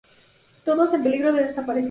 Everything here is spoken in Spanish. Todos en peligro de desaparecer.